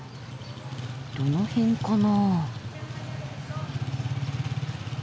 どの辺かな？